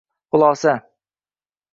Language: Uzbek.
Xulosa